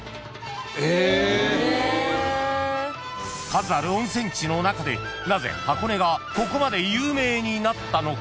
［数ある温泉地の中でなぜ箱根がここまで有名になったのか？］